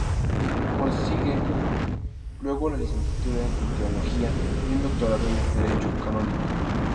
Consigue luego la licenciatura en teología y un doctorado en derecho canónico.